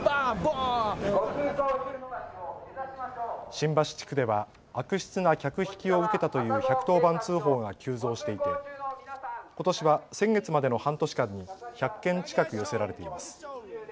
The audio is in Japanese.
新橋地区では悪質な客引きを受けたという１１０番通報が急増していてことしは先月までの半年間に１００件近く寄せられています。